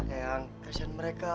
eh kasian mereka